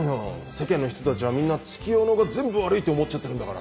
世間の人たちはみんな月夜野が全部悪いって思っちゃってるんだから。